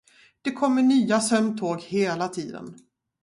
Det kommer nya sömntåg hela tiden.